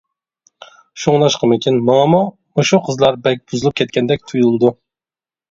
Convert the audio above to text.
شۇڭلاشقىمىكىن ماڭىمۇ مۇشۇ قىزلار بەك بۇزۇلۇپ كەتكەندەك تۇيۇلىدۇ!